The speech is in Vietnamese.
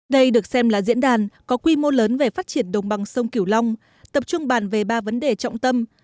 đây được xem là diễn đàn có quy mô lớn về phát triển đồng bằng sông kiểu long tập trung bàn về ba vấn đề trọng tâm